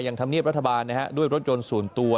ยังทำเนียบรัฐบาลนะฮะด้วยรถยนต์สูญตัว